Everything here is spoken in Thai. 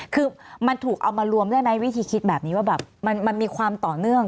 คือมันถูกเอามารวมได้ไหมวิธีคิดแบบนี้ว่าแบบมันมีความต่อเนื่อง